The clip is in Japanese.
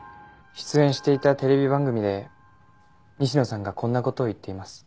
出演していたテレビ番組で西野さんがこんな事を言っています。